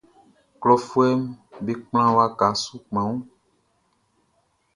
Klɔfuɛʼm be kplan waka su kpanwun.